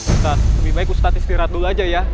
ustadz lebih baik ustadz istirahat dulu aja ya